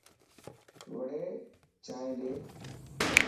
وڙي چائن ڏي.